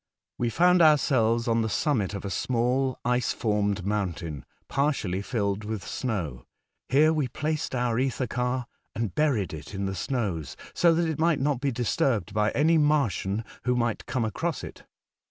We found ourselves on tbe summit of a small ice formed mountain, partially filled witb snow. Here we placed our etber car and buried it in tbe snows, so tbat it migbt not be disturbed by any Martian wbo migbt come across it.